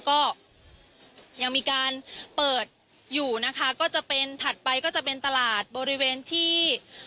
ก็ยังมีการเปิดอยู่นะคะก็จะเป็นถัดไปก็จะเป็นตลาดบริเวณที่